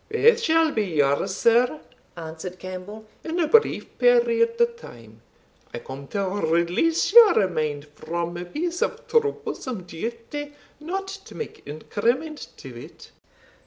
"Both shall be yours, sir," answered Campbell, "in a brief period of time. I come to release your mind from a piece of troublesome duty, not to make increment to it."